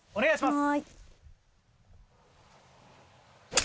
お願いします。